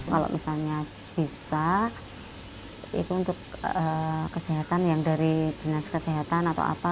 kalau misalnya bisa itu untuk kesehatan yang dari dinas kesehatan atau apa